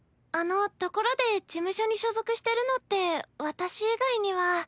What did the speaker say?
あのところで事務所に所属してるのって私以外には。